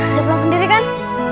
bisa pulang sendiri kan